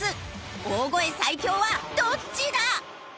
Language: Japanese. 大声最強はどっちだ？